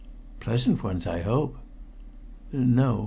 "Pleasant ones I hope." "No.